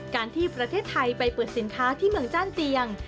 การที่ประเทศไทยไปเปิดสินค้าที่เมืองจ้านเตียง